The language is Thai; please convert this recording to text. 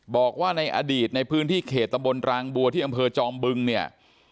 บอกว่าในอดีตในพื้นที่เขตตำบลรางบัวที่อำเภอจอมบึงเนี่ย